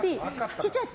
ちっちゃいやつ。